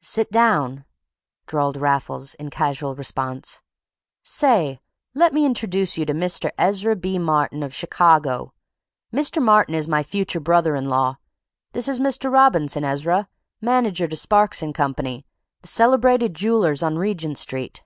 "Sit down," drawled Raffles in casual response. "Say, let me introduce you to Mr. Ezra B. Martin, of Shicawgo. Mr. Martin is my future brother in law. This is Mr. Robinson, Ezra, manager to Sparks & Company, the cellerbrated joolers on Re gent Street."